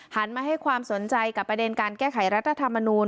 มาให้ความสนใจกับประเด็นการแก้ไขรัฐธรรมนูล